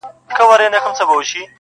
پر تسپو پر عبادت پر خیراتونو!